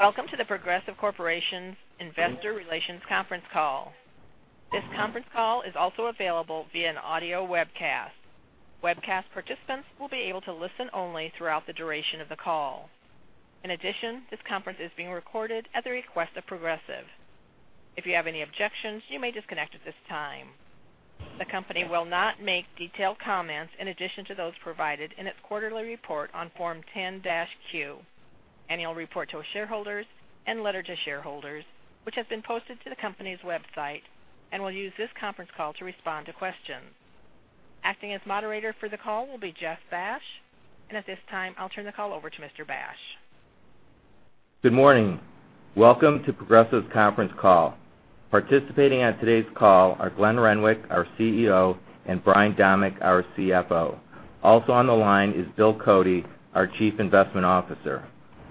Welcome to The Progressive Corporation Investor Relations conference call. This conference call is also available via an audio webcast. Webcast participants will be able to listen only throughout the duration of the call. In addition, this conference is being recorded at the request of Progressive. If you have any objections, you may disconnect at this time. The company will not make detailed comments in addition to those provided in its quarterly report on Form 10-Q, annual report to shareholders, and letter to shareholders, which have been posted to the company's website, and will use this conference call to respond to questions. Acting as moderator for the call will be Jeff Basch. At this time, I'll turn the call over to Mr. Basch. Good morning. Welcome to Progressive's conference call. Participating on today's call are Glenn Renwick, our CEO, and Brian Domeck, our CFO. Also on the line is Bill Cody, our Chief Investment Officer.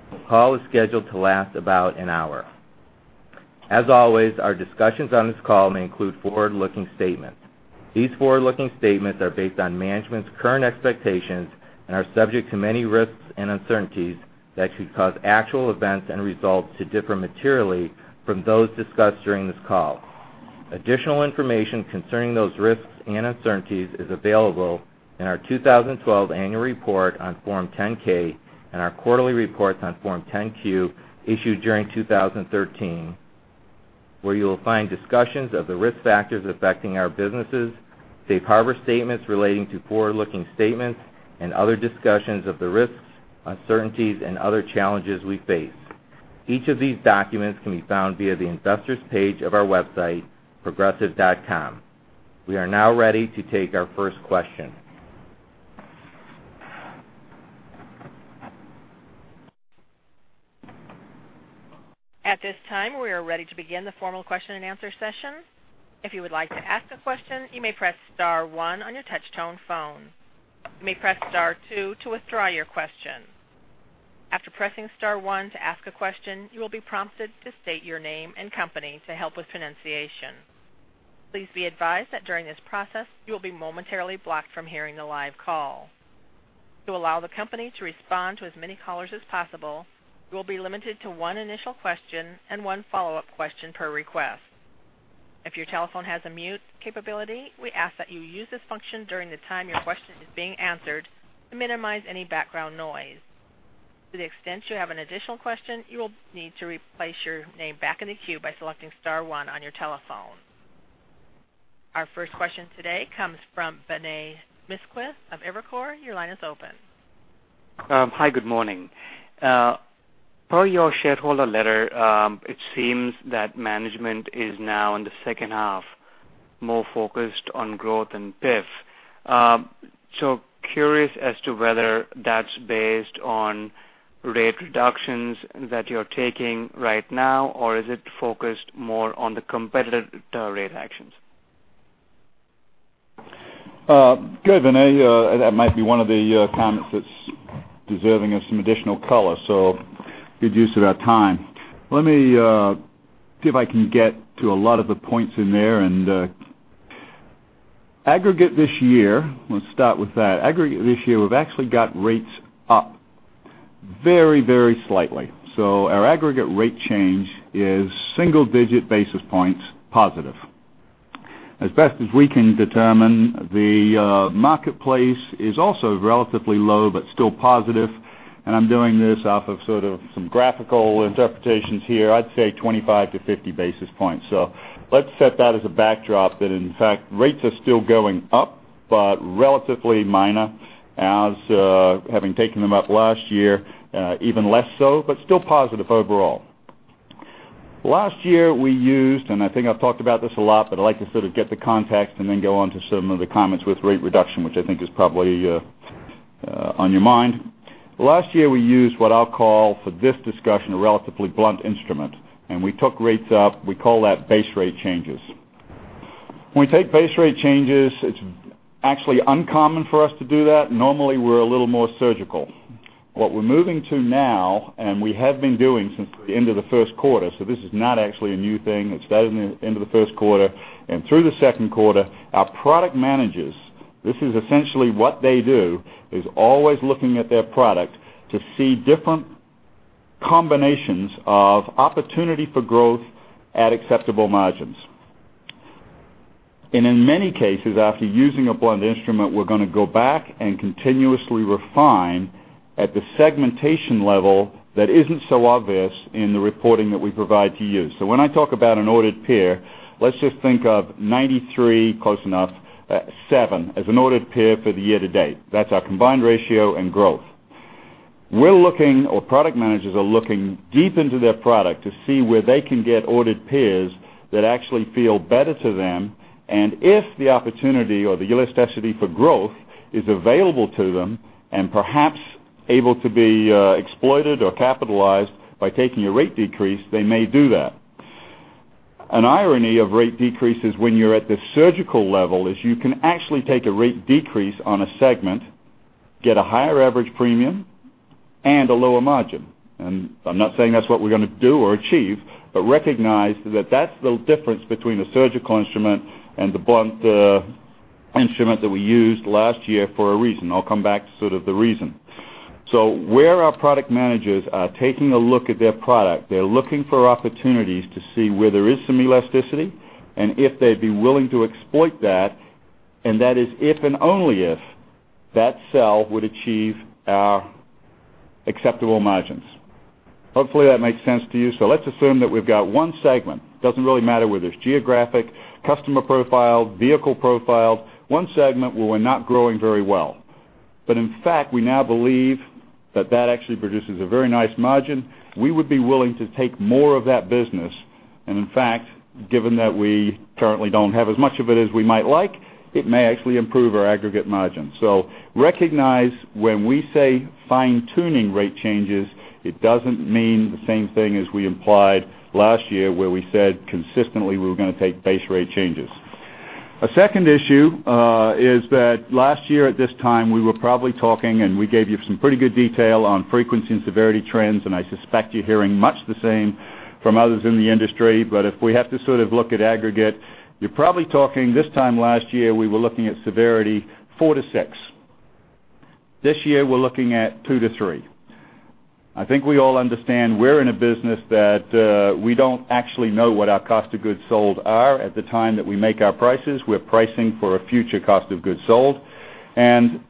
The call is scheduled to last about an hour. As always, our discussions on this call may include forward-looking statements. These forward-looking statements are based on management's current expectations and are subject to many risks and uncertainties that could cause actual events and results to differ materially from those discussed during this call. Additional information concerning those risks and uncertainties is available in our 2012 annual report on Form 10-K and our quarterly reports on Form 10-Q issued during 2013, where you will find discussions of the risk factors affecting our businesses, safe harbor statements relating to forward-looking statements, and other discussions of the risks, uncertainties, and other challenges we face. Each of these documents can be found via the investors page of our website, progressive.com. We are now ready to take our first question. At this time, we are ready to begin the formal question and answer session. If you would like to ask a question, you may press star one on your touch tone phone. You may press star two to withdraw your question. After pressing star one to ask a question, you will be prompted to state your name and company to help with pronunciation. Please be advised that during this process, you will be momentarily blocked from hearing the live call. To allow the company to respond to as many callers as possible, you will be limited to one initial question and one follow-up question per request. If your telephone has a mute capability, we ask that you use this function during the time your question is being answered to minimize any background noise. To the extent you have an additional question, you will need to place your name back in the queue by selecting star one on your telephone. Our first question today comes from Vinay Misquith of Evercore. Your line is open. Hi, good morning. Per your shareholder letter, it seems that management is now in the second half, more focused on growth than PIF. Curious as to whether that's based on rate reductions that you're taking right now, or is it focused more on the competitor rate actions? Good, Vinay. That might be one of the comments that's deserving of some additional color. Good use of our time. Let me see if I can get to a lot of the points in there. Let's start with that. Aggregate this year, we've actually got rates up very slightly. Our aggregate rate change is single digit basis points positive. As best as we can determine, the marketplace is also relatively low but still positive, and I'm doing this off of some graphical interpretations here. I'd say 25 to 50 basis points. Let's set that as a backdrop that, in fact, rates are still going up, but relatively minor as having taken them up last year even less so, but still positive overall. Last year we used, I think I've talked about this a lot, but I'd like to get the context and then go on to some of the comments with rate reduction, which I think is probably on your mind. Last year we used what I'll call for this discussion, a relatively blunt instrument, and we took rates up. We call that base rate changes. When we take base rate changes, it's actually uncommon for us to do that. Normally, we're a little more surgical. What we're moving to now, and we have been doing since the end of the first quarter. This is not actually a new thing. It started in the end of the first quarter and through the second quarter. Our product managers, this is essentially what they do, is always looking at their product to see different combinations of opportunity for growth at acceptable margins. In many cases, after using a blunt instrument, we're going to go back and continuously refine at the segmentation level that isn't so obvious in the reporting that we provide to you. When I talk about an ordered pair, let's just think of 93, close enough, seven as an ordered pair for the year-to-date. That's our combined ratio and growth. We're looking, or product managers are looking deep into their product to see where they can get ordered pairs that actually feel better to them, and if the opportunity or the elasticity for growth is available to them and perhaps able to be exploited or capitalized by taking a rate decrease, they may do that. An irony of rate decreases when you're at the surgical level is you can actually take a rate decrease on a segment, get a higher average premium and a lower margin. I'm not saying that's what we're going to do or achieve, but recognize that that's the difference between the surgical instrument and the blunt instrument that we used last year for a reason. I'll come back to sort of the reason. Where our product managers are taking a look at their product, they're looking for opportunities to see where there is some elasticity, and if they'd be willing to exploit that, and that is if, and only if, that sell would achieve our acceptable margins. Hopefully that makes sense to you. Let's assume that we've got one segment. Doesn't really matter whether it's geographic, customer-profiled, vehicle-profiled. One segment where we're not growing very well. In fact, we now believe that that actually produces a very nice margin. We would be willing to take more of that business. In fact, given that we currently don't have as much of it as we might like, it may actually improve our aggregate margin. Recognize when we say fine-tuning rate changes, it doesn't mean the same thing as we implied last year, where we said consistently we were going to take base rate changes. A second issue is that last year at this time, we were probably talking, and we gave you some pretty good detail on frequency and severity trends, and I suspect you're hearing much the same from others in the industry. If we have to sort of look at aggregate, you're probably talking this time last year, we were looking at severity 4-6. This year we're looking at 2-3. I think we all understand we're in a business that we don't actually know what our cost of goods sold are at the time that we make our prices. We're pricing for a future cost of goods sold. The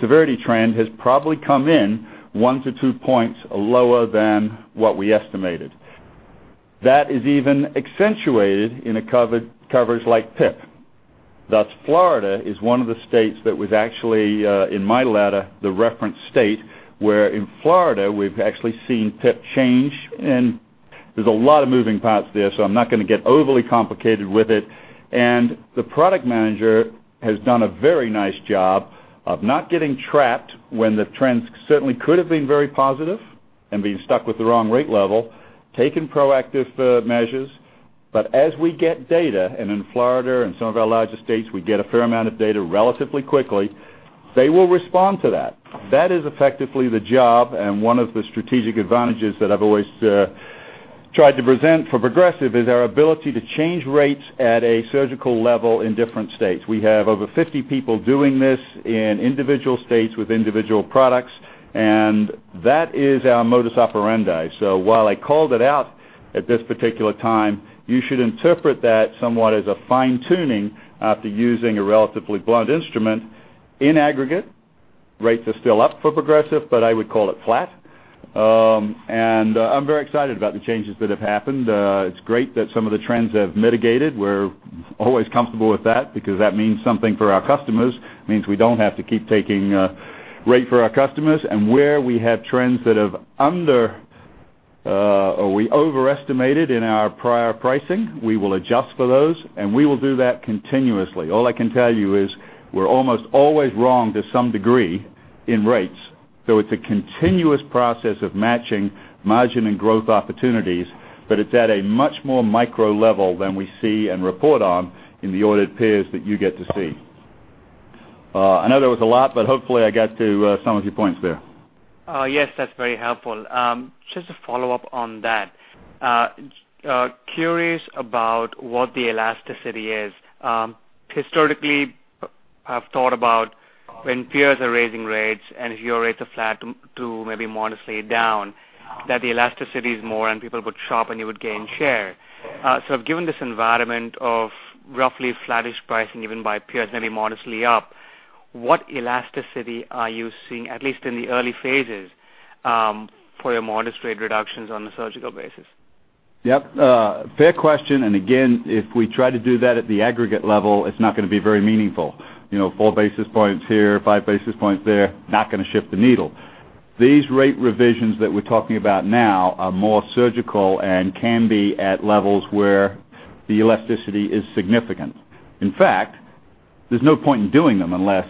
severity trend has probably come in 1-2 points lower than what we estimated. That is even accentuated in a coverage like PIP. Thus, Florida is one of the states that was actually, in my letter, the reference state, where in Florida we've actually seen PIP change, and there's a lot of moving parts there, so I'm not going to get overly complicated with it. The product manager has done a very nice job of not getting trapped when the trends certainly could have been very positive and being stuck with the wrong rate level, taking proactive measures. As we get data, and in Florida and some of our larger states, we get a fair amount of data relatively quickly, they will respond to that. That is effectively the job, and one of the strategic advantages that I've always tried to present for Progressive is our ability to change rates at a surgical level in different states. We have over 50 people doing this in individual states with individual products, and that is our modus operandi. While I called it out at this particular time, you should interpret that somewhat as a fine-tuning after using a relatively blunt instrument. In aggregate, rates are still up for Progressive, but I would call it flat. I'm very excited about the changes that have happened. It's great that some of the trends have mitigated. We're always comfortable with that because that means something for our customers. It means we don't have to keep taking rate for our customers. Where we have trends that have or we overestimated in our prior pricing, we will adjust for those, and we will do that continuously. All I can tell you is we're almost always wrong to some degree in rates. It's a continuous process of matching margin and growth opportunities, but it's at a much more micro level than we see and report on in the audited peers that you get to see. I know that was a lot, but hopefully I got to some of your points there. Yes, that's very helpful. Just to follow up on that, curious about what the elasticity is. Historically, I've thought about when peers are raising rates and if your rates are flat to maybe modestly down, that the elasticity is more and people would shop and you would gain share. Given this environment of roughly flattish pricing, even by peers maybe modestly up, what elasticity are you seeing, at least in the early phases, for your modest rate reductions on a surgical basis? Yep. Fair question. Again, if we try to do that at the aggregate level, it's not going to be very meaningful. Four basis points here, five basis points there, not going to shift the needle. These rate revisions that we're talking about now are more surgical and can be at levels where the elasticity is significant. In fact, there's no point in doing them unless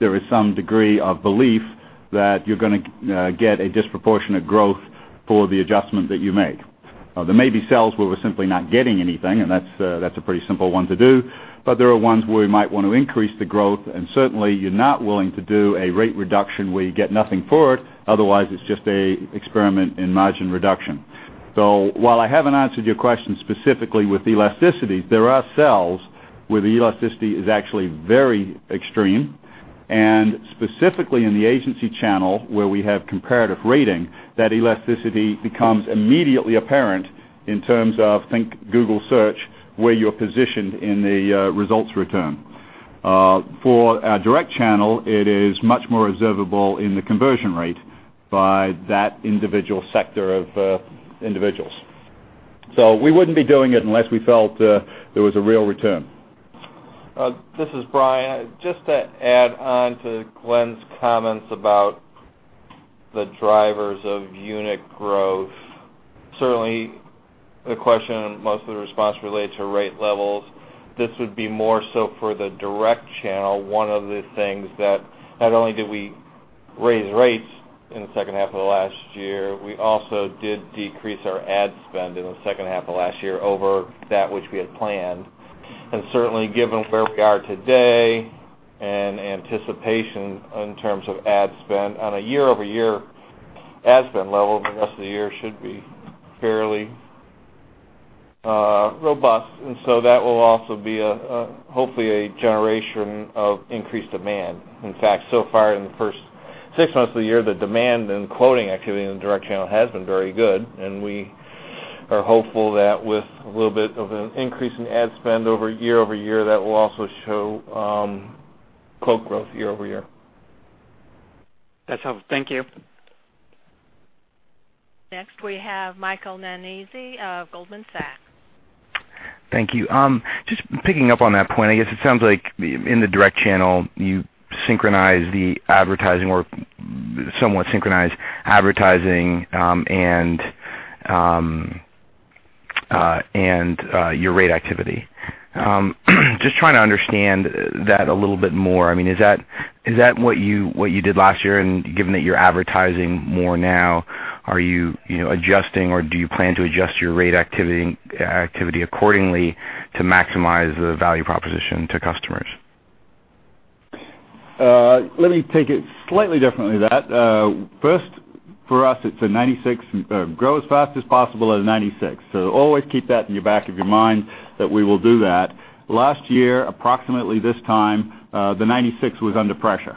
there is some degree of belief that you're going to get a disproportionate growth for the adjustment that you made. There may be sells where we're simply not getting anything, and that's a pretty simple one to do. There are ones where we might want to increase the growth, and certainly you're not willing to do a rate reduction where you get nothing for it. Otherwise, it's just a experiment in margin reduction. While I haven't answered your question specifically with elasticity, there are sales where the elasticity is actually very extreme. Specifically in the agency channel where we have comparative rating, that elasticity becomes immediately apparent in terms of, think Google search, where you're positioned in the results return. For our direct channel, it is much more observable in the conversion rate by that individual sector of individuals. We wouldn't be doing it unless we felt there was a real return. This is Brian. Just to add on to Glenn's comments about the drivers of unit growth. Certainly the question, most of the response relates to rate levels. This would be more so for the direct channel. One of the things that not only did we raise rates in the second half of last year, we also did decrease our ad spend in the second half of last year over that which we had planned. Certainly given where we are today Anticipation in terms of ad spend. On a year-over-year ad spend level, the rest of the year should be fairly robust. That will also be, hopefully, a generation of increased demand. In fact, so far in the first six months of the year, the demand and quoting activity in the direct channel has been very good, and we are hopeful that with a little bit of an increase in ad spend over year-over-year, that will also show quote growth year-over-year. That's helpful. Thank you. Next, we have Michael Nannizzi of Goldman Sachs. Thank you. Just picking up on that point, I guess it sounds like in the direct channel you synchronize the advertising or somewhat synchronize advertising and your rate activity. Just trying to understand that a little bit more. Is that what you did last year? Given that you're advertising more now, are you adjusting or do you plan to adjust your rate activity accordingly to maximize the value proposition to customers? Let me take it slightly differently than that. First, for us, it's grow as fast as possible at a 96. Always keep that in your back of your mind that we will do that. Last year, approximately this time, the 96 was under pressure.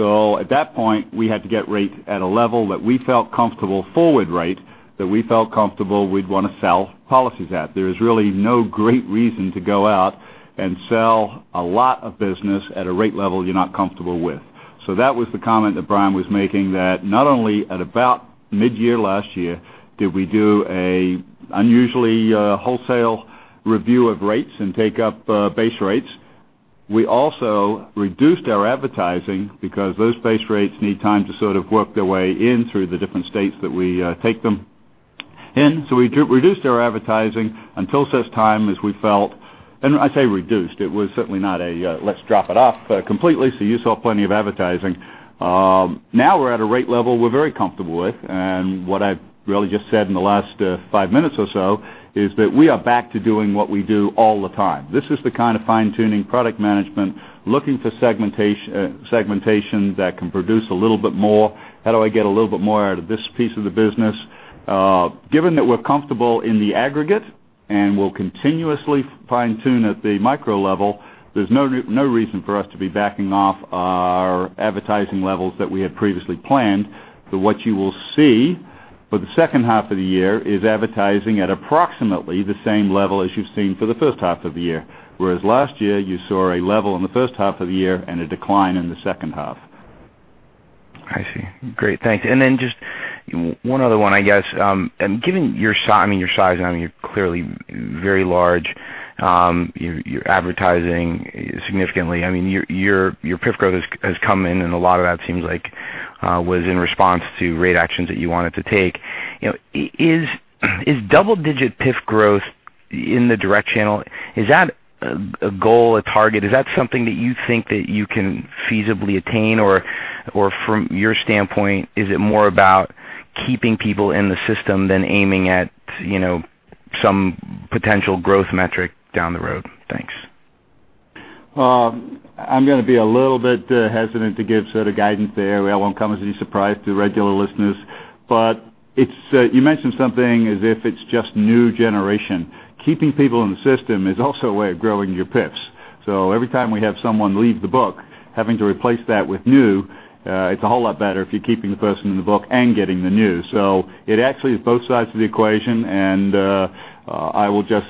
At that point, we had to get rates at a level that we felt comfortable forward rate, that we felt comfortable we'd want to sell policies at. There is really no great reason to go out and sell a lot of business at a rate level you're not comfortable with. That was the comment that Brian was making, that not only at about mid-year last year did we do a unusually wholesale review of rates and take up base rates, we also reduced our advertising because those base rates need time to sort of work their way in through the different states that we take them in. We reduced our advertising until such time as we felt, and I say reduced, it was certainly not a let's drop it off completely, so you saw plenty of advertising. Now we're at a rate level we're very comfortable with, and what I've really just said in the last five minutes or so is that we are back to doing what we do all the time. This is the kind of fine-tuning product management, looking for segmentation that can produce a little bit more. How do I get a little bit more out of this piece of the business? Given that we're comfortable in the aggregate and we'll continuously fine-tune at the micro level, there's no reason for us to be backing off our advertising levels that we had previously planned. What you will see for the second half of the year is advertising at approximately the same level as you've seen for the first half of the year. Whereas last year you saw a level in the first half of the year and a decline in the second half. I see. Great. Thanks. Then just one other one, I guess. Given your size, you're clearly very large. You're advertising significantly. Your PIF growth has come in and a lot of that seems like was in response to rate actions that you wanted to take. Is double-digit PIF growth in the direct channel, is that a goal, a target? Is that something that you think that you can feasibly attain? Or from your standpoint, is it more about keeping people in the system than aiming at some potential growth metric down the road? Thanks. I'm going to be a little bit hesitant to give sort of guidance there. That won't come as any surprise to regular listeners. You mentioned something as if it's just new generation. Keeping people in the system is also a way of growing your PIFs. Every time we have someone leave the book, having to replace that with new, it's a whole lot better if you're keeping the person in the book and getting the new. It actually is both sides of the equation, and I will just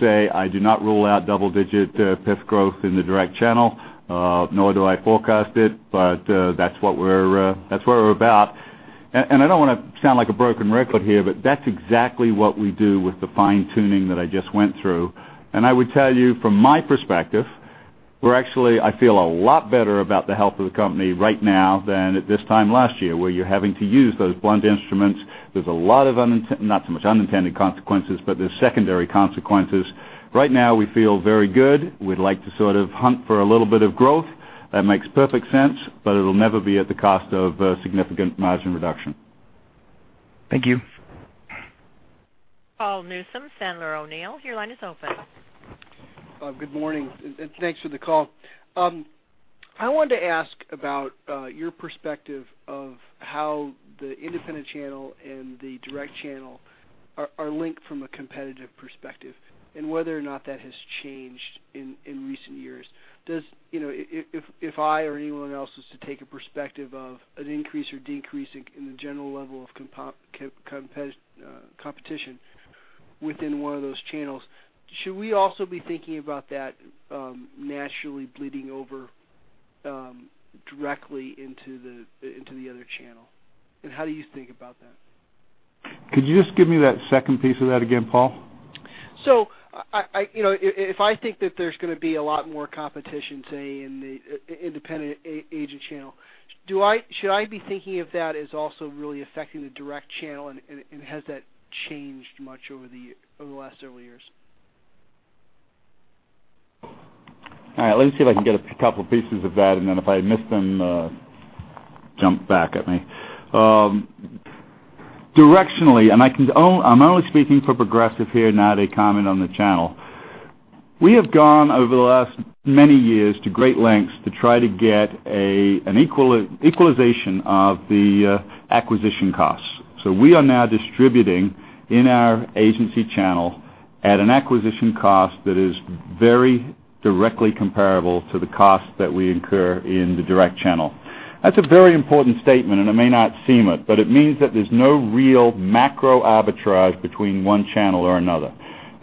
say, I do not rule out double-digit PIF growth in the direct channel, nor do I forecast it, but that's where we're about. I don't want to sound like a broken record here, but that's exactly what we do with the fine-tuning that I just went through. I would tell you from my perspective, I feel a lot better about the health of the company right now than at this time last year, where you're having to use those blunt instruments with a lot of, not so much unintended consequences, but there's secondary consequences. Right now, we feel very good. We'd like to sort of hunt for a little bit of growth. That makes perfect sense, but it'll never be at the cost of significant margin reduction. Thank you. Paul Newsome, Sandler O'Neill, your line is open. Good morning. Thanks for the call. I wanted to ask about your perspective of how the independent channel and the direct channel are linked from a competitive perspective, and whether or not that has changed in recent years. If I or anyone else is to take a perspective of an increase or decrease in the general level of competition within one of those channels, should we also be thinking about that naturally bleeding over directly into the other channel? How do you think about that? Could you just give me that second piece of that again, Paul? If I think that there's going to be a lot more competition, say, in the independent agent channel, should I be thinking of that as also really affecting the direct channel? Has that changed much over the last several years? All right. Let me see if I can get a couple pieces of that, then if I miss them, jump back at me. Directionally, I'm only speaking for Progressive here, not a comment on the channel. We have gone over the last many years to great lengths to try to get an equalization of the acquisition costs. We are now distributing in our agency channel at an acquisition cost that is very directly comparable to the cost that we incur in the direct channel. That's a very important statement, it may not seem it, but it means that there's no real macro arbitrage between one channel or another.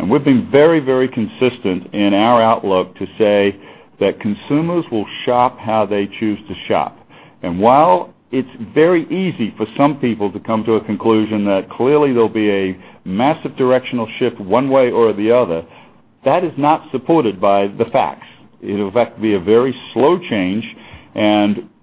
We've been very consistent in our outlook to say that consumers will shop how they choose to shop. While it's very easy for some people to come to a conclusion that clearly there'll be a massive directional shift one way or the other, that is not supported by the facts. It'll in fact be a very slow change,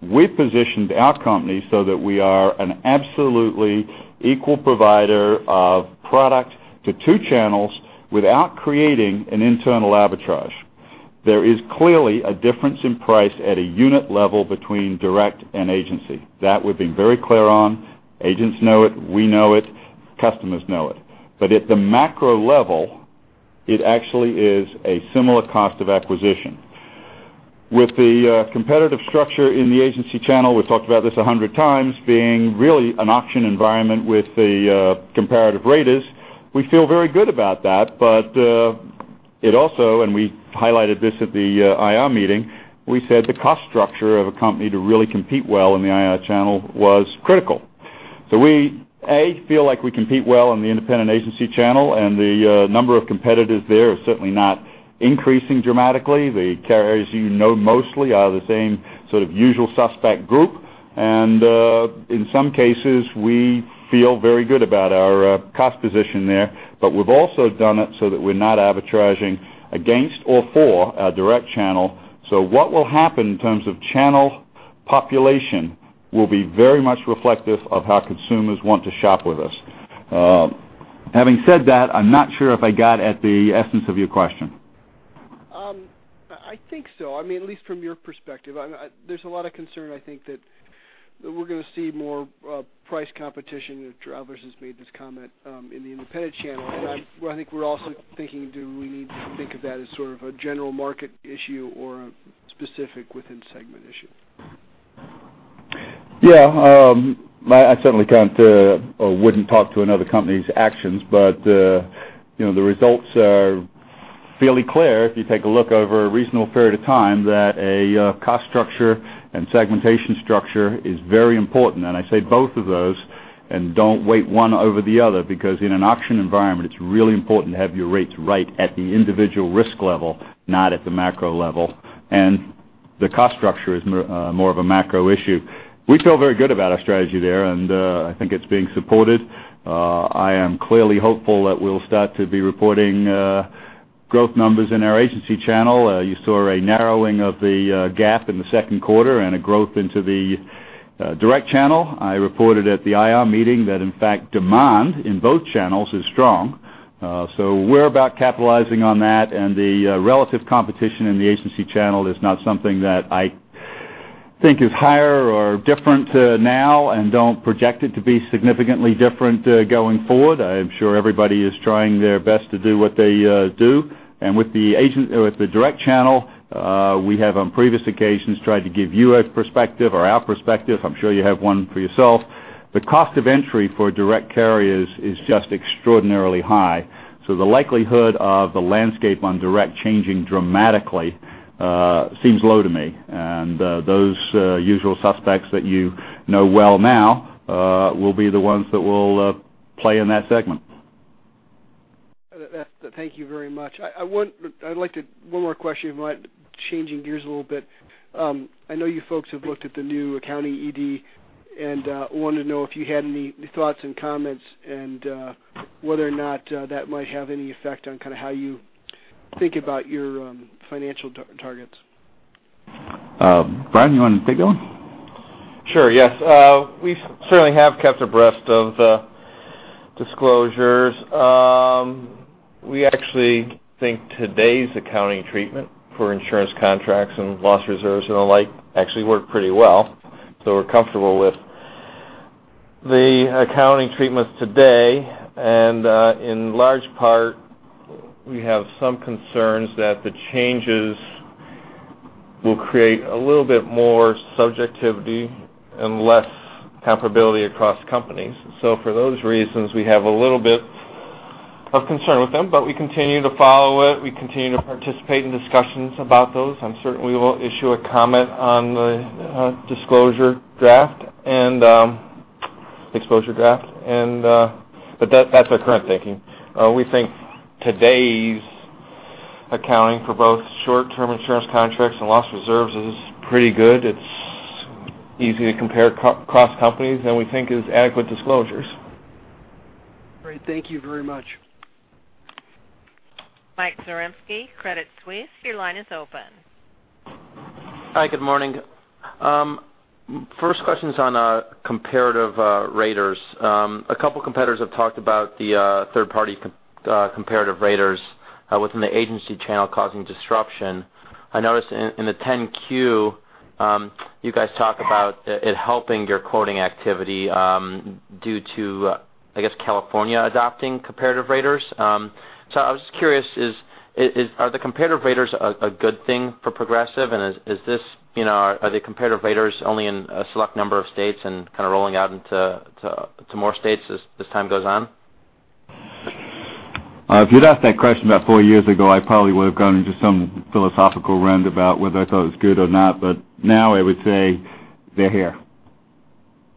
we positioned our company so that we are an absolutely equal provider of product to two channels without creating an internal arbitrage. There is clearly a difference in price at a unit level between direct and agency. That we've been very clear on. Agents know it, we know it, customers know it. At the macro level, it actually is a similar cost of acquisition. With the competitive structure in the agency channel, we've talked about this 100 times, being really an auction environment with the comparative raters, we feel very good about that. It also, we highlighted this at the IA meeting, we said the cost structure of a company to really compete well in the IA channel was critical. We, A, feel like we compete well in the independent agency channel, the number of competitors there is certainly not increasing dramatically. The carriers you know mostly are the same sort of usual suspect group. In some cases, we feel very good about our cost position there, we've also done it so that we're not arbitraging against or for our direct channel. What will happen in terms of channel population will be very much reflective of how consumers want to shop with us. Having said that, I'm not sure if I got at the essence of your question. I think so. At least from your perspective. There's a lot of concern, I think, that we're going to see more price competition, Travelers has made this comment, in the independent channel. I think we're also thinking, do we need to think of that as sort of a general market issue or a specific within segment issue? I certainly can't or wouldn't talk to another company's actions, but the results are fairly clear if you take a look over a reasonable period of time that a cost structure and segmentation structure is very important. I say both of those and don't weight one over the other because in an auction environment, it's really important to have your rates right at the individual risk level, not at the macro level. The cost structure is more of a macro issue. We feel very good about our strategy there, and I think it's being supported. I am clearly hopeful that we'll start to be reporting growth numbers in our agency channel. You saw a narrowing of the gap in the second quarter and a growth into the direct channel. I reported at the IA meeting that in fact demand in both channels is strong. We're about capitalizing on that, and the relative competition in the agency channel is not something that I think is higher or different now and don't project it to be significantly different going forward. I am sure everybody is trying their best to do what they do. With the direct channel, we have on previous occasions tried to give you a perspective or our perspective. I'm sure you have one for yourself. The cost of entry for direct carriers is just extraordinarily high. The likelihood of the landscape on direct changing dramatically seems low to me. Those usual suspects that you know well now will be the ones that will play in that segment. Thank you very much. One more question, changing gears a little bit. I know you folks have looked at the new accounting ED, and wanted to know if you had any thoughts and comments and whether or not that might have any effect on how you think about your financial targets. Brian, you want to take that one? Sure, yes. We certainly have kept abreast of the disclosures. We actually think today's accounting treatment for insurance contracts and loss reserves and the like actually work pretty well. We're comfortable with the accounting treatments today. In large part, we have some concerns that the changes will create a little bit more subjectivity and less comparability across companies. For those reasons, we have a little bit of concern with them, we continue to follow it. We continue to participate in discussions about those. I'm certain we will issue a comment on the disclosure draft. That's our current thinking. We think today's accounting for both short-term insurance contracts and loss reserves is pretty good. It's easy to compare across companies, we think it's adequate disclosures. Great. Thank you very much. Mike Zaremski, Credit Suisse, your line is open. Hi, good morning. First question's on comparative raters. A couple competitors have talked about the third party comparative raters within the agency channel causing disruption. I noticed in the 10Q you guys talk about it helping your quoting activity due to, I guess, California adopting comparative raters. I was just curious, are the comparative raters a good thing for Progressive? Are the comparative raters only in a select number of states and kind of rolling out into more states as time goes on? If you'd asked that question about four years ago, I probably would've gone into some philosophical rant about whether I thought it was good or not. Now I would say they're here.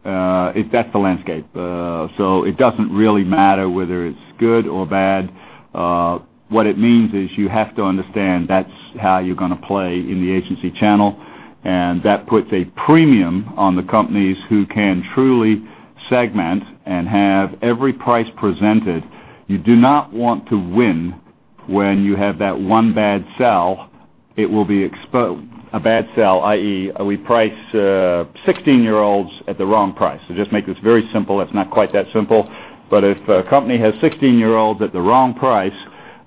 That's the landscape. It doesn't really matter whether it's good or bad. What it means is you have to understand that's how you're going to play in the agency channel. That puts a premium on the companies who can truly segment and have every price presented. You do not want to win when you have that one bad sell. A bad sell, i.e., we price 16-year-olds at the wrong price. To just make this very simple, it's not quite that simple. If a company has 16-year-olds at the wrong price,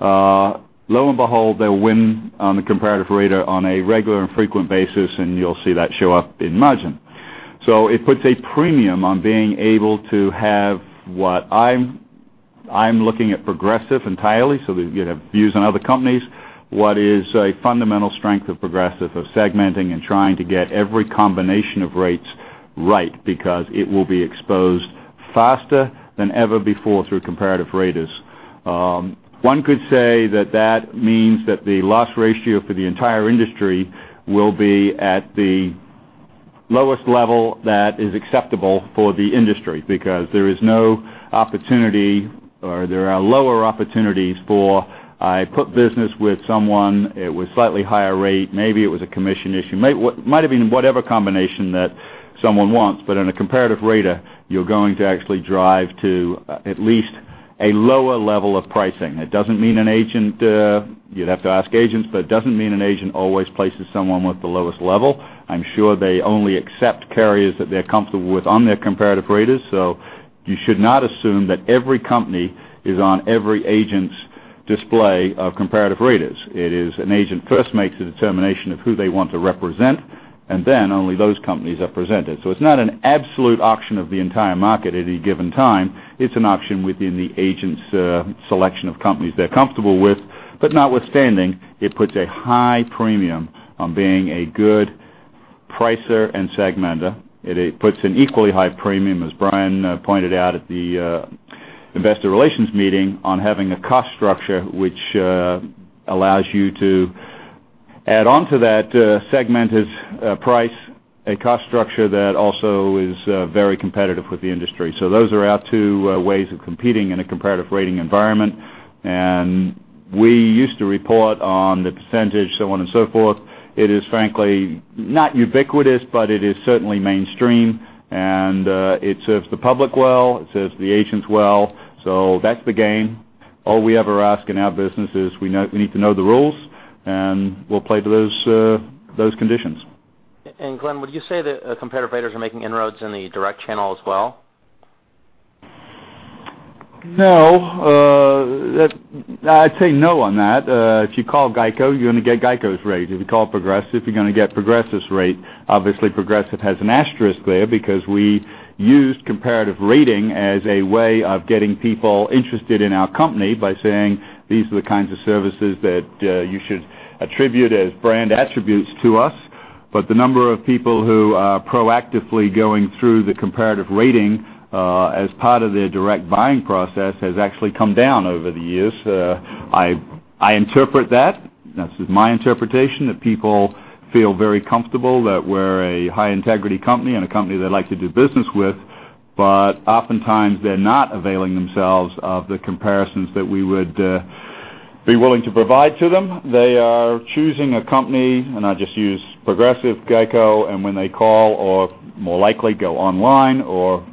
lo and behold, they'll win on the comparative rater on a regular and frequent basis, and you'll see that show up in margin. It puts a premium on being able to have what I'm looking at Progressive entirely, so you have views on other companies. What is a fundamental strength of Progressive of segmenting and trying to get every combination of rates right because it will be exposed faster than ever before through comparative raters. One could say that means that the loss ratio for the entire industry will be at the lowest level that is acceptable for the industry because there is no opportunity, or there are lower opportunities for I put business with someone, it was slightly higher rate, maybe it was a commission issue. Might have been whatever combination that someone wants, in a comparative rater, you're going to actually drive to at least a lower level of pricing. You'd have to ask agents, it doesn't mean an agent always places someone with the lowest level. I'm sure they only accept carriers that they're comfortable with on their comparative raters. You should not assume that every company is on every agent's display of comparative raters. It is an agent first makes a determination of who they want to represent, and then only those companies are presented. It's not an absolute auction of the entire market at any given time. It's an auction within the agent's selection of companies they're comfortable with. Notwithstanding, it puts a high premium on being a good pricer and segmenter. It puts an equally high premium, as Brian pointed out at the investor relations meeting, on having a cost structure which allows you to add onto that segmented price, a cost structure that also is very competitive with the industry. Those are our two ways of competing in a comparative rating environment. We used to report on the percentage, so on and so forth. It is frankly not ubiquitous, but it is certainly mainstream, and it serves the public well. It serves the agents well. That's the game. All we ever ask in our business is we need to know the rules, and we'll play to those conditions. Glenn, would you say that comparative raters are making inroads in the direct channel as well? No. I'd say no on that. If you call GEICO, you're going to get GEICO's rate. If you call Progressive, you're going to get Progressive's rate. Obviously, Progressive has an asterisk there because we used comparative rating as a way of getting people interested in our company by saying, "These are the kinds of services that you should attribute as brand attributes to us." The number of people who are proactively going through the comparative rating as part of their direct buying process has actually come down over the years. I interpret that, this is my interpretation, that people feel very comfortable that we're a high-integrity company and a company they like to do business with. Oftentimes, they're not availing themselves of the comparisons that we would be willing to provide to them. They are choosing a company, and I'll just use Progressive, GEICO, and when they call, or more likely go online or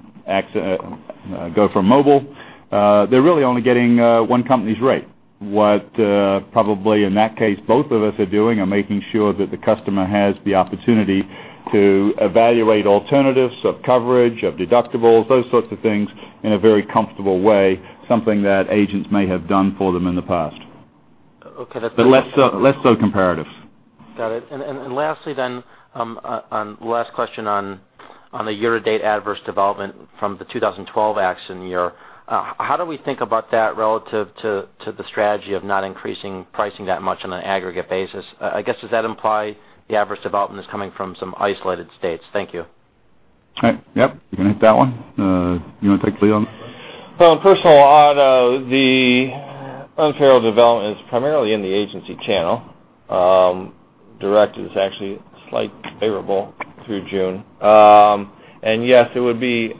go from mobile, they're really only getting one company's rate. What probably, in that case, both of us are doing are making sure that the customer has the opportunity to evaluate alternatives of coverage, of deductibles, those sorts of things, in a very comfortable way, something that agents may have done for them in the past. Okay, that's. Less so comparative. Got it. Lastly, last question on the year-to-date adverse development from the 2012 accident year. How do we think about that relative to the strategy of not increasing pricing that much on an aggregate basis? I guess, does that imply the adverse development is coming from some isolated states? Thank you. Yep. You can hit that one. You want to take the lead on it? On personal auto, the unfair development is primarily in the agency channel. Direct is actually slight favorable through June. Yes, it would be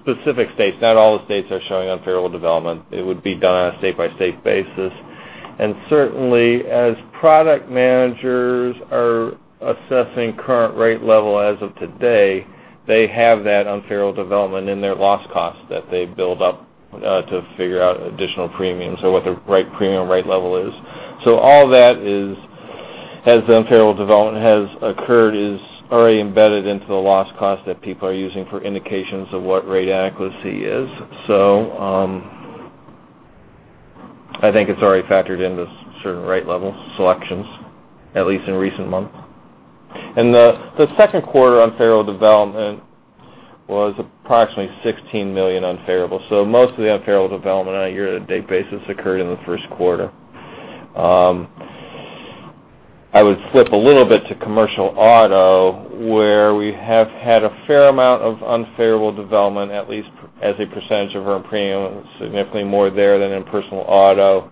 specific states. Not all the states are showing unfair development. It would be done on a state-by-state basis. Certainly, as product managers are assessing current rate level as of today, they have that unfair development in their loss cost that they build up to figure out additional premiums or what the right premium rate level is. All that as the unfair development has occurred is already embedded into the loss cost that people are using for indications of what rate adequacy is. I think it's already factored into certain rate level selections, at least in recent months. The second quarter unfavorable development was approximately $16 million unfavorable. Most of the unfavorable development on a year-to-date basis occurred in the first quarter. I would flip a little bit to commercial auto, where we have had a fair amount of unfavorable development, at least as a percentage of earned premium, significantly more there than in personal auto.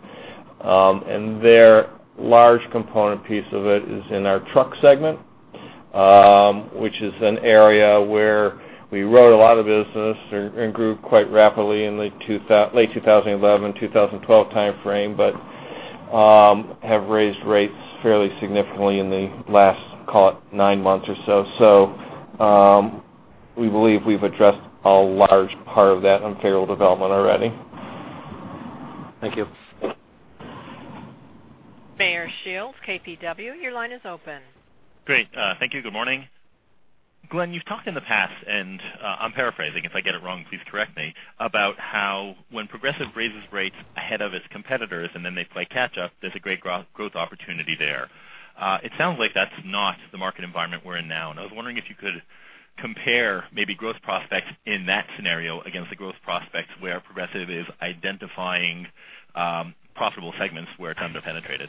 There, large component piece of it is in our truck segment, which is an area where we wrote a lot of business and grew quite rapidly in late 2011, 2012 timeframe, but have raised rates fairly significantly in the last, call it nine months or so. We believe we've addressed a large part of that unfavorable development already. Thank you. Meyer Shields, KBW, your line is open. Great. Thank you. Good morning. Glenn, you've talked in the past, and I'm paraphrasing, if I get it wrong, please correct me, about how when Progressive raises rates ahead of its competitors and then they play catch up, there's a great growth opportunity there. It sounds like that's not the market environment we're in now. I was wondering if you could compare maybe growth prospects in that scenario against the growth prospects where Progressive is identifying profitable segments where it's under-penetrated.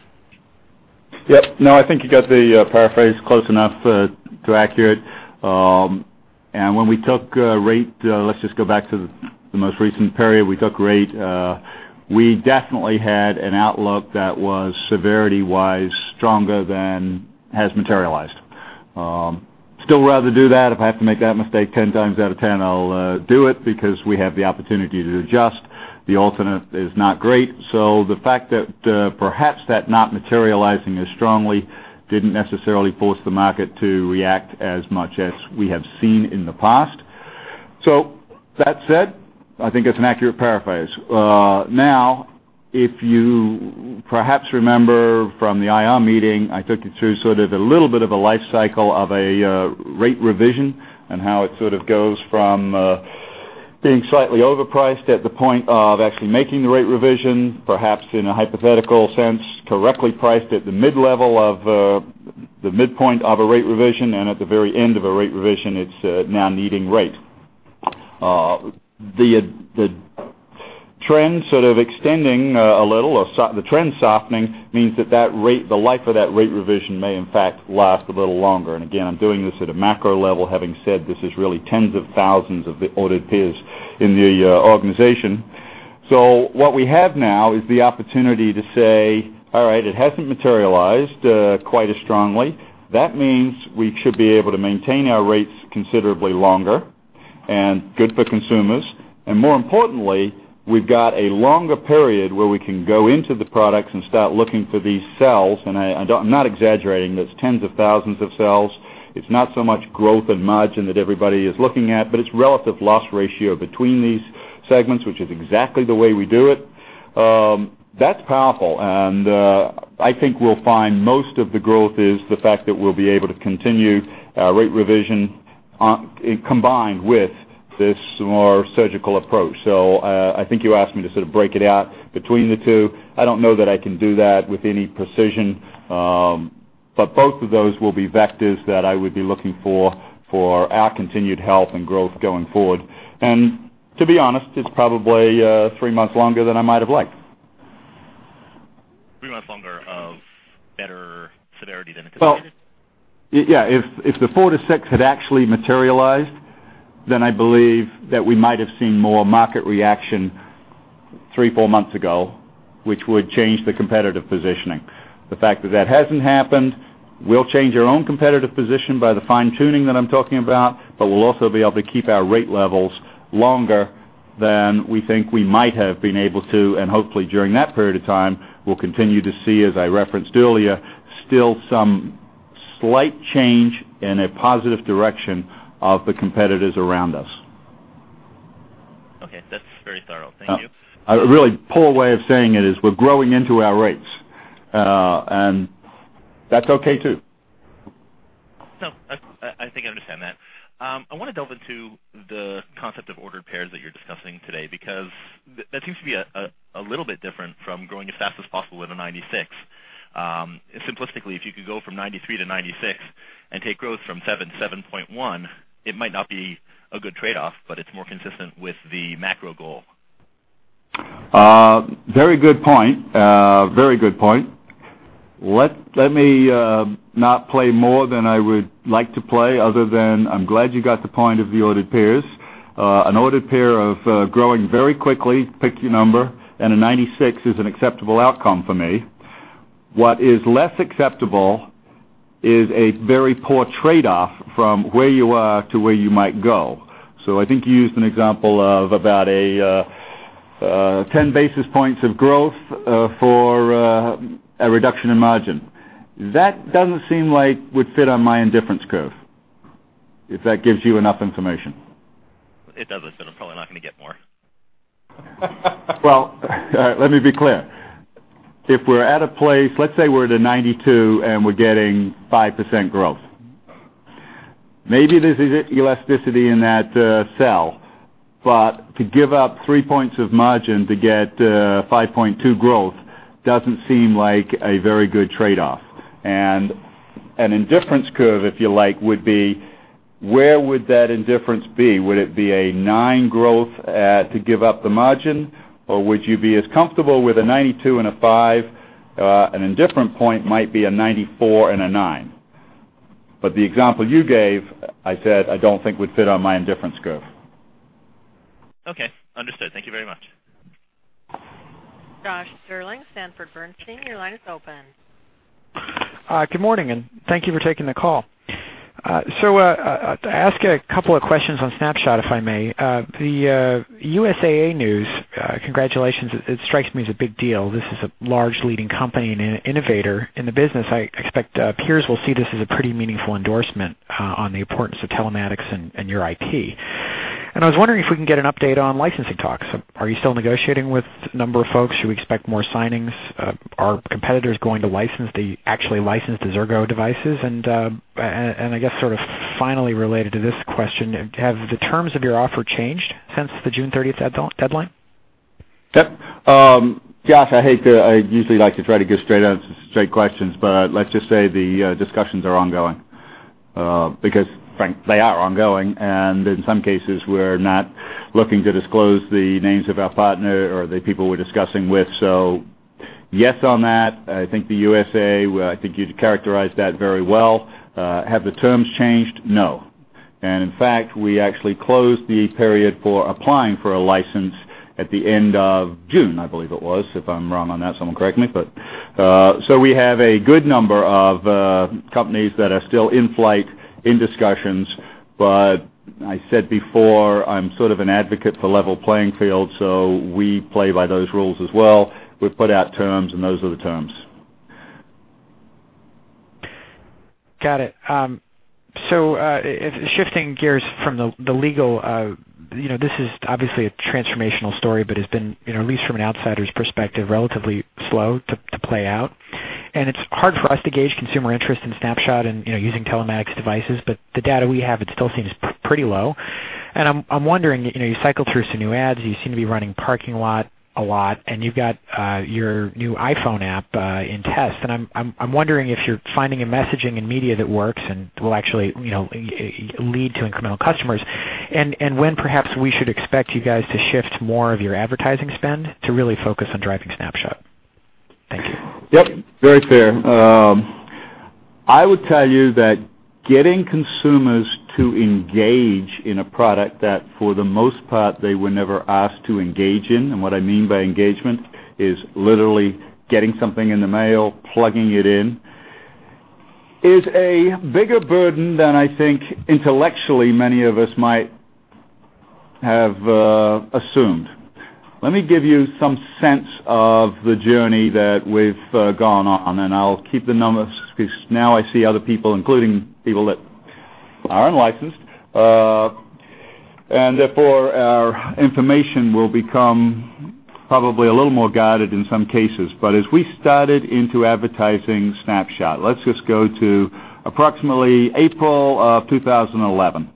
Yep. No, I think you got the paraphrase close enough to accurate. When we took rate, let's just go back to the most recent period we took rate, we definitely had an outlook that was, severity-wise, stronger than has materialized. Still rather do that. If I have to make that mistake 10 times out of 10, I'll do it because we have the opportunity to adjust. The alternate is not great. The fact that perhaps that not materializing as strongly didn't necessarily force the market to react as much as we have seen in the past. That said, I think it's an accurate paraphrase. If you perhaps remember from the IA meeting, I took you through sort of a little bit of a life cycle of a rate revision and how it sort of goes from being slightly overpriced at the point of actually making the rate revision, perhaps in a hypothetical sense, correctly priced at the mid-level of the midpoint of a rate revision, and at the very end of a rate revision, it's now needing rate. The trend sort of extending a little or the trend softening means that the life of that rate revision may in fact last a little longer. Again, I'm doing this at a macro level, having said this is really tens of thousands of the ordered pairs in the organization. What we have now is the opportunity to say, all right, it hasn't materialized quite as strongly. That means we should be able to maintain our rates considerably longer and good for consumers. More importantly, we've got a longer period where we can go into the products and start looking for these cells. I'm not exaggerating. There's tens of thousands of cells. It's not so much growth and margin that everybody is looking at, but it's relative loss ratio between these segments, which is exactly the way we do it. That's powerful, and I think we'll find most of the growth is the fact that we'll be able to continue our rate revision combined with this more surgical approach. I think you asked me to sort of break it out between the two. I don't know that I can do that with any precision. Both of those will be vectors that I would be looking for our continued health and growth going forward. To be honest, it's probably three months longer than I might have liked. Three months longer of better severity than anticipated? Well, yeah. If the four to six had actually materialized, then I believe that we might have seen more market reaction three, four months ago, which would change the competitive positioning. The fact that that hasn't happened, we'll change our own competitive position by the fine-tuning that I'm talking about, but we'll also be able to keep our rate levels longer than we think we might have been able to. Hopefully during that period of time, we'll continue to see, as I referenced earlier, still some slight change in a positive direction of the competitors around us. Okay. That's very thorough. Thank you. A really poor way of saying it is we're growing into our rates. That's okay too. No, I think I understand that. I want to delve into the concept of ordered pairs that you're discussing today because that seems to be a little bit different from growing as fast as possible with a 96. Simplistically, if you could go from 93 to 96 and take growth from 7 to 7.1, it might not be a good trade-off, but it's more consistent with the macro goal. Very good point. Very good point. Let me not play more than I would like to play other than I'm glad you got the point of the ordered pairs. An ordered pair of growing very quickly, pick your number, and a 96 is an acceptable outcome for me. What is less acceptable is a very poor trade-off from where you are to where you might go. I think you used an example of about a 10 basis points of growth for a reduction in margin. That doesn't seem like would fit on my indifference curve, if that gives you enough information. It does. I'm probably not going to get more. Well, let me be clear. If we're at a place, let's say we're at a 92 and we're getting 5% growth Maybe there's elasticity in that sell. To give up 3 points of margin to get 5.2 growth doesn't seem like a very good trade-off. An indifference curve, if you like, would be where would that indifference be? Would it be a 9 growth to give up the margin, or would you be as comfortable with a 92 and a 5? An indifferent point might be a 94 and a 9. The example you gave, I said, I don't think would fit on my indifference curve. Okay, understood. Thank you very much. Josh Stirling, Sanford Bernstein, your line is open. Good morning, thank you for taking the call. To ask a couple of questions on Snapshot, if I may. The USAA news, congratulations. It strikes me as a big deal. This is a large, leading company and an innovator in the business. I expect peers will see this as a pretty meaningful endorsement on the importance of telematics and your IT. I was wondering if we can get an update on licensing talks. Are you still negotiating with a number of folks? Should we expect more signings? Are competitors going to actually license the Xirgo devices? I guess sort of finally related to this question, have the terms of your offer changed since the June 30th deadline? Yep. Josh Stirling, I usually like to try to give straight answers to straight questions, let's just say the discussions are ongoing. Frankly, they are ongoing, and in some cases, we're not looking to disclose the names of our partner or the people we're discussing with. Yes, on that, I think the USAA, I think you'd characterize that very well. Have the terms changed? No. In fact, we actually closed the period for applying for a license at the end of June, I believe it was. If I'm wrong on that, someone correct me. We have a good number of companies that are still in flight, in discussions. I said before, I'm sort of an advocate for level playing field, so we play by those rules as well. We put out terms, and those are the terms. Got it. Shifting gears from the legal, this is obviously a transformational story, has been, at least from an outsider's perspective, relatively slow to play out. It's hard for us to gauge consumer interest in Snapshot and using telematics devices. The data we have, it still seems pretty low. I'm wondering, you cycled through some new ads. You seem to be running parking lot a lot, and you've got your new iPhone app in test. I'm wondering if you're finding a messaging in media that works and will actually lead to incremental customers. When perhaps we should expect you guys to shift more of your advertising spend to really focus on driving Snapshot. Thank you. Yep, very fair. I would tell you that getting consumers to engage in a product that, for the most part, they were never asked to engage in, and what I mean by engagement is literally getting something in the mail, plugging it in, is a bigger burden than I think intellectually many of us might have assumed. Let me give you some sense of the journey that we've gone on, I'll keep the numbers, because now I see other people, including people that aren't licensed. Therefore, our information will become probably a little more guided in some cases. As we started into advertising Snapshot, let's just go to approximately April of 2011.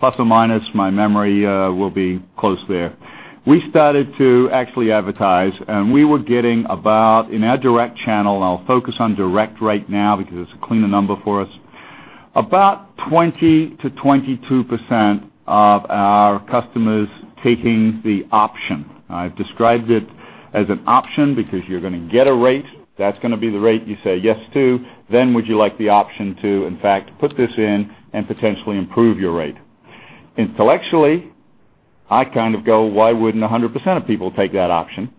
Plus or minus, my memory will be close there. We started to actually advertise, we were getting about, in our direct channel, I'll focus on direct right now because it's a cleaner number for us, about 20%-22% of our customers taking the option. I've described it as an option because you're going to get a rate, that's going to be the rate you say yes to, then would you like the option to, in fact, put this in and potentially improve your rate. Intellectually, I kind of go, why wouldn't 100% of people take that option?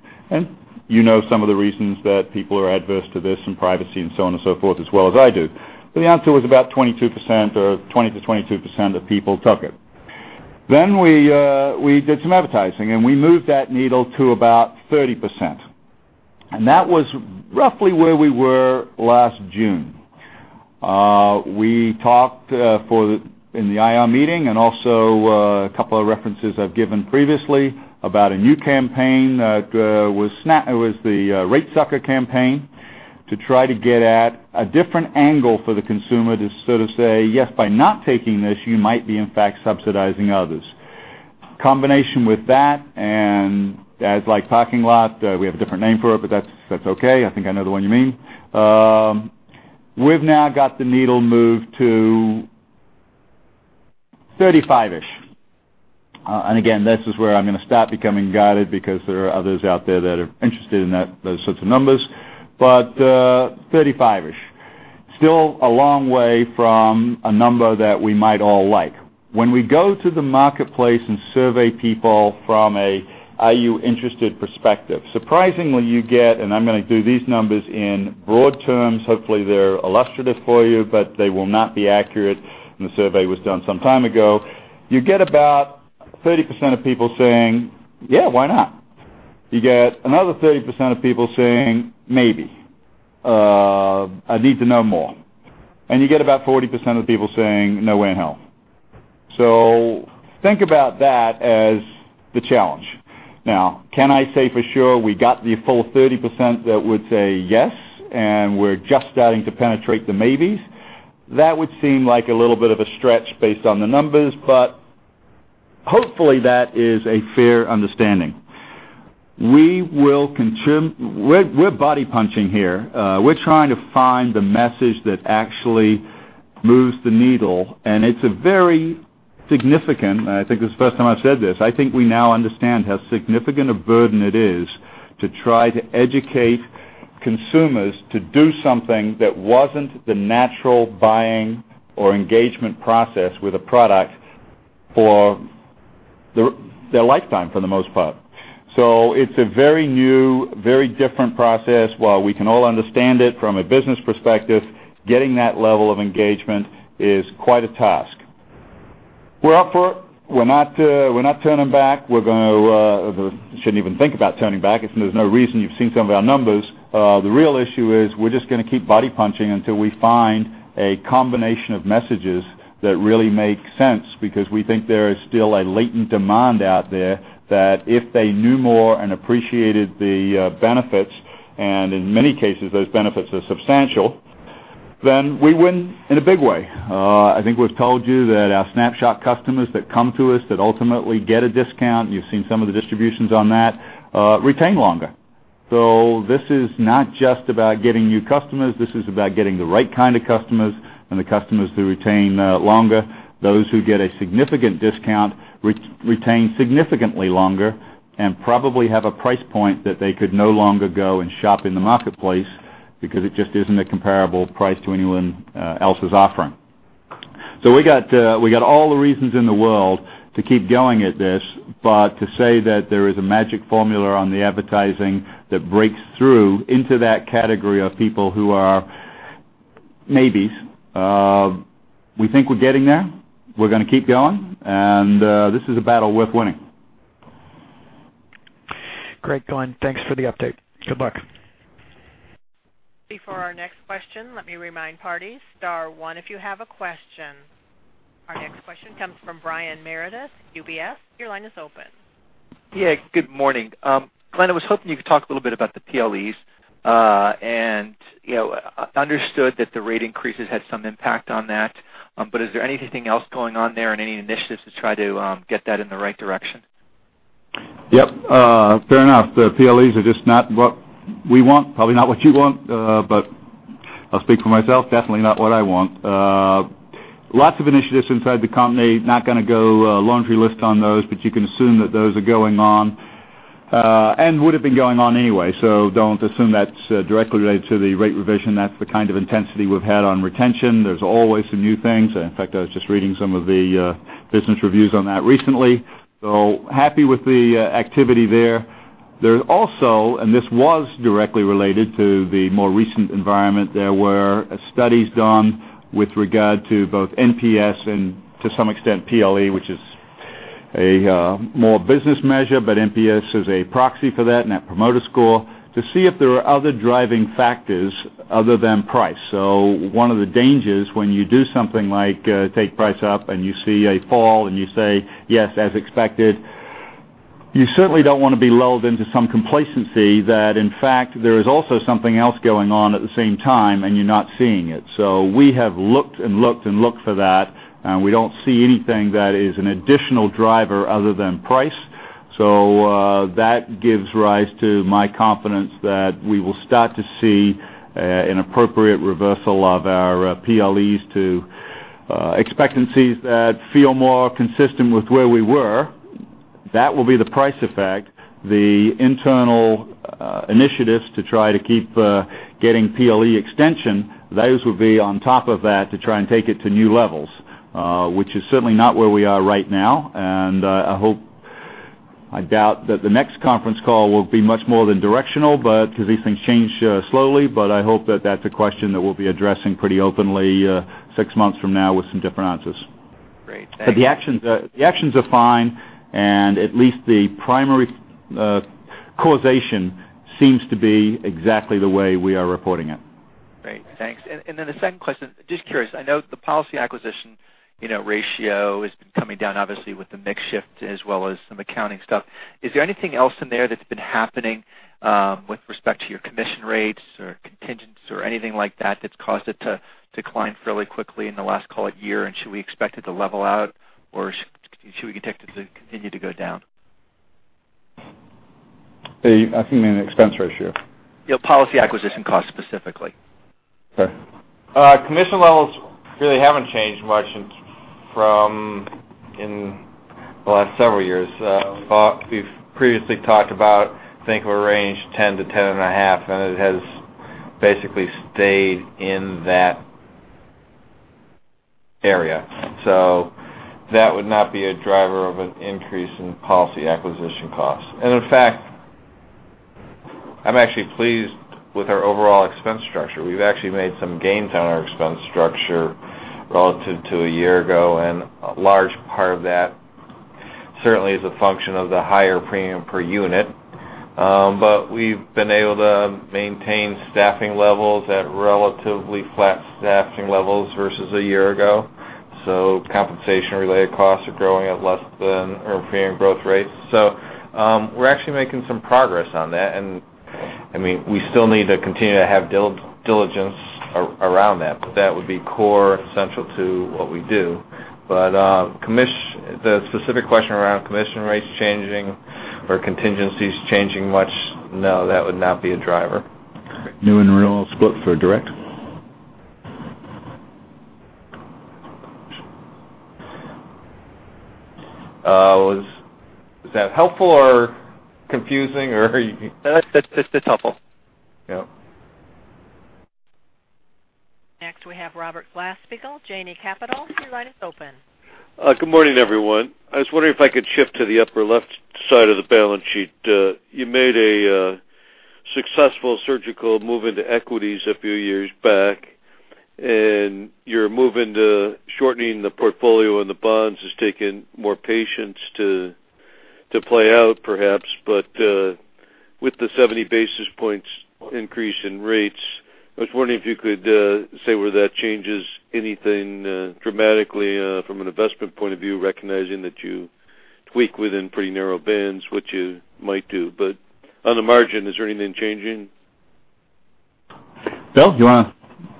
You know some of the reasons that people are adverse to this, and privacy and so on and so forth, as well as I do. The answer was about 22% or 20%-22% of people took it. We did some advertising, and we moved that needle to about 30%. That was roughly where we were last June. We talked in the IA meeting and also a couple of references I've given previously about a new campaign. It was the Rate Sucker campaign to try to get at a different angle for the consumer to sort of say, yes, by not taking this, you might be, in fact, subsidizing others. Combination with that, and as like parking lot, we have a different name for it, but that's okay. I think I know the one you mean. We've now got the needle moved to 35-ish. Again, this is where I'm going to stop becoming guided because there are others out there that are interested in those sorts of numbers. 35-ish. Still a long way from a number that we might all like. When we go to the marketplace and survey people from an IA interested perspective, surprisingly, you get, I'm going to do these numbers in broad terms. Hopefully, they're illustrative for you, but they will not be accurate, and the survey was done some time ago. You get about 30% of people saying, "Yeah, why not?" You get another 30% of people saying, "Maybe. I need to know more." You get about 40% of people saying, "No way in hell." Think about that as the challenge. Can I say for sure we got the full 30% that would say yes, and we're just starting to penetrate the maybes? That would seem like a little bit of a stretch based on the numbers, hopefully, that is a fair understanding. We're body punching here. We're trying to find the message that actually moves the needle, it's very significant. I think this is the first time I've said this. I think we now understand how significant a burden it is to try to educate consumers to do something that wasn't the natural buying or engagement process with a product for their lifetime, for the most part. It's a very new, very different process. While we can all understand it from a business perspective, getting that level of engagement is quite a task. We're up for it. We're not turning back. We shouldn't even think about turning back. There's no reason. You've seen some of our numbers. The real issue is we're just going to keep body punching until we find a combination of messages that really make sense, because we think there is still a latent demand out there that if they knew more and appreciated the benefits, and in many cases, those benefits are substantial, then we win in a big way. I think we've told you that our Snapshot customers that come to us that ultimately get a discount, you've seen some of the distributions on that, retain longer. This is not just about getting new customers. This is about getting the right kind of customers and the customers who retain longer. Those who get a significant discount retain significantly longer and probably have a price point that they could no longer go and shop in the marketplace because it just isn't a comparable price to anyone else's offering. We got all the reasons in the world to keep going at this, but to say that there is a magic formula on the advertising that breaks through into that category of people who are maybes, we think we're getting there. We're going to keep going, and this is a battle worth winning. Great, Glenn. Thanks for the update. Good luck. Before our next question, let me remind parties, star one if you have a question. Our next question comes from Brian Meredith, UBS. Your line is open. Yeah, good morning. Glenn, I was hoping you could talk a little bit about the PLEs. Understood that the rate increases had some impact on that, is there anything else going on there and any initiatives to try to get that in the right direction? Yep. Fair enough. The PLEs are just not what we want, probably not what you want. I'll speak for myself, definitely not what I want. Lots of initiatives inside the company. Not going to go laundry list on those, but you can assume that those are going on, and would have been going on anyway. Don't assume that's directly related to the rate revision. That's the kind of intensity we've had on retention. There's always some new things. In fact, I was just reading some of the business reviews on that recently. Happy with the activity there. There's also, this was directly related to the more recent environment, there were studies done with regard to both NPS and to some extent PLE, which is a more business measure, but NPS is a proxy for that, net promoter score, to see if there are other driving factors other than price. One of the dangers when you do something like take price up and you see a fall and you say, yes, as expected, you certainly don't want to be lulled into some complacency that in fact, there is also something else going on at the same time and you're not seeing it. We have looked and looked and looked for that, and we don't see anything that is an additional driver other than price. That gives rise to my confidence that we will start to see an appropriate reversal of our PLEs to expectancies that feel more consistent with where we were. That will be the price effect. The internal initiatives to try to keep getting PLE extension, those would be on top of that to try and take it to new levels, which is certainly not where we are right now. I doubt that the next conference call will be much more than directional because these things change slowly, but I hope that that's a question that we'll be addressing pretty openly six months from now with some different answers. Great. Thank you. The actions are fine, and at least the primary causation seems to be exactly the way we are reporting it. Great. Thanks. The second question, just curious, I know the policy acquisition ratio has been coming down, obviously, with the mix shift as well as some accounting stuff. Is there anything else in there that's been happening with respect to your commission rates or contingents or anything like that that's caused it to decline fairly quickly in the last, call it, year? Should we expect it to level out or should we expect it to continue to go down? I assume you mean the expense ratio. Yeah, policy acquisition cost specifically. Okay. Commission levels really haven't changed much from in the last several years. We've previously talked about, I think, a range 10-10.5, and it has basically stayed in that area. That would not be a driver of an increase in policy acquisition costs. In fact, I'm actually pleased with our overall expense structure. We've actually made some gains on our expense structure relative to a year ago, and a large part of that certainly is a function of the higher premium per unit. We've been able to maintain staffing levels at relatively flat staffing levels versus a year ago. Compensation-related costs are growing at less than our premium growth rates. We're actually making some progress on that. We still need to continue to have diligence around that, but that would be core central to what we do. The specific question around commission rates changing or contingencies changing much, no, that would not be a driver. New and renewal split for direct. Was that helpful or confusing? Or are you- No, that's helpful. Yep. Next, we have Robert Glasspiegel, Janney Capital. Your line is open. Good morning, everyone. I was wondering if I could shift to the upper left side of the balance sheet. You made a successful surgical move into equities a few years back, and your move into shortening the portfolio and the bonds has taken more patience to play out, perhaps. With the 70 basis points increase in rates, I was wondering if you could say whether that changes anything dramatically from an investment point of view, recognizing that you tweak within pretty narrow bands, which you might do. On the margin, is there anything changing? Bill, do you want to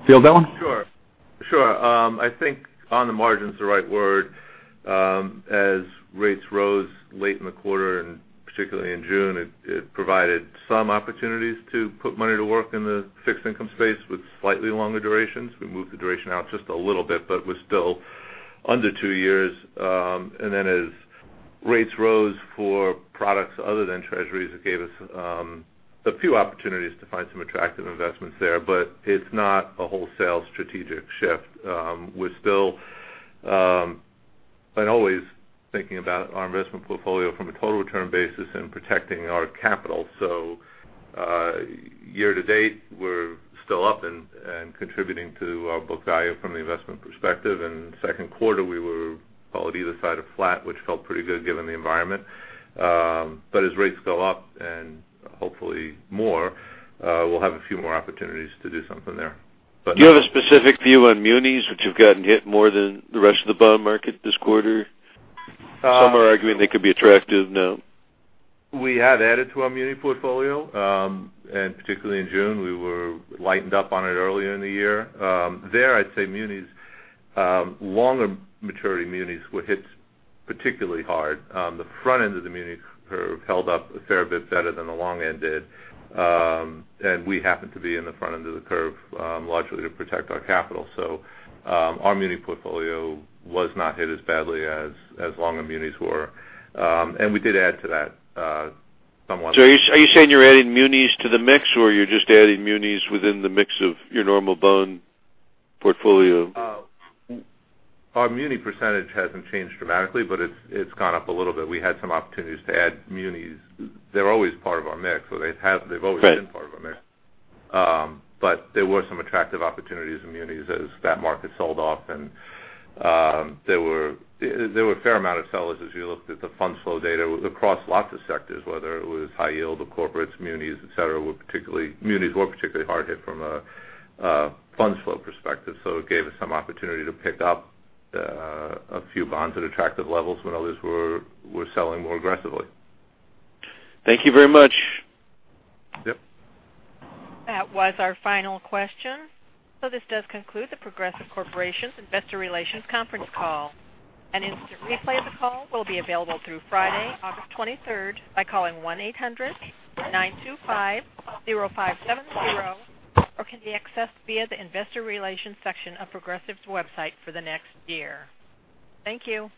field that one? Sure. I think on the margin's the right word. As rates rose late in the quarter, and particularly in June, it provided some opportunities to put money to work in the fixed income space with slightly longer durations. We moved the duration out just a little bit, but we're still under two years. Then as rates rose for products other than Treasuries, it gave us a few opportunities to find some attractive investments there. It's not a wholesale strategic shift. We're still and always thinking about our investment portfolio from a total return basis and protecting our capital. Year to date, we're still up and contributing to our book value from the investment perspective. In Q2, we were call it either side of flat, which felt pretty good given the environment. As rates go up, and hopefully more, we'll have a few more opportunities to do something there. Do you have a specific view on munis, which have gotten hit more than the rest of the bond market this quarter? Some are arguing they could be attractive now. We have added to our muni portfolio, particularly in June. We were lightened up on it earlier in the year. There I'd say munis, longer maturity munis were hit particularly hard. The front end of the muni curve held up a fair bit better than the long end did. We happen to be in the front end of the curve largely to protect our capital. Our muni portfolio was not hit as badly as longer munis were. We did add to that somewhat. Are you saying you're adding munis to the mix, or you're just adding munis within the mix of your normal bond portfolio? Our muni percentage hasn't changed dramatically, but it's gone up a little bit. We had some opportunities to add munis. They're always part of our mix, or they've always been part of our mix. Right. There were some attractive opportunities in munis as that market sold off, and there were a fair amount of sellers as we looked at the fund flow data across lots of sectors, whether it was high yield or corporates, munis, et cetera. Munis were particularly hard hit from a fund flow perspective. It gave us some opportunity to pick up a few bonds at attractive levels when others were selling more aggressively. Thank you very much. Yep. That was our final question. This does conclude The Progressive Corporation's Investor Relations Conference Call. An instant replay of the call will be available through Friday, August 23rd, by calling 1-800-925-0570, or can be accessed via the investor relations section of Progressive's website for the next year. Thank you.